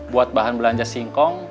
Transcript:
buat bahan belanja singkong